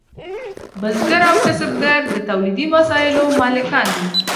بزګر او کسبګر د تولیدي وسایلو مالکان دي.